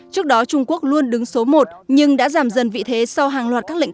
trước đó trung quốc luôn đứng số một nhưng đã giảm dần vị thế sau hàng loạt các lệnh